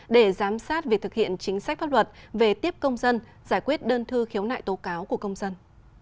để giám sát việc thực hiện chính sách pháp luật về tiếp công dân giải quyết đơn thư khiếu nại tố cáo của công dân